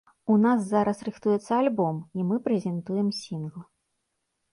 У нас зараз рыхтуецца альбом, і мы прэзентуем сінгл.